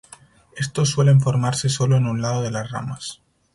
Estos suelen formarse sólo en un lado de las ramas.